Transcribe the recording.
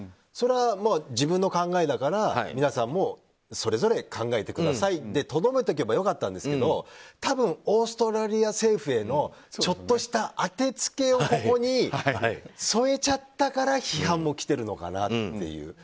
それは、自分の考えだから皆さんもそれぞれ考えてくださいでとどめておけば良かったんですけど多分、オーストラリア政府へのちょっとしたあてつけをここに添えちゃったから批判も来てるのかなっていう。